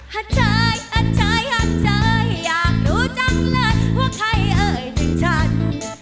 ฮัตเชยฮัตเชยฮัตเชยอยากรู้จังเลยว่าใครเอ่ยถึงฉัน